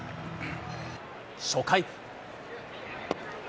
初回。